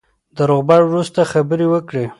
د روغبړ وروسته خبرې وکړې.